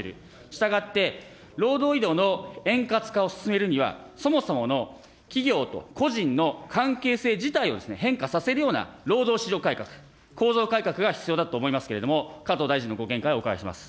したがって、労働移動の円滑化を進めるには、そもそもの企業と個人の関係性自体を変化させるような労働市場改革、構造改革が必要だと思いますけれども、加藤大臣のご見解をお伺いいたします。